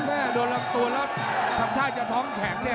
โดนลำตัวแล้วทำท่าจะท้องแข็งเนี่ย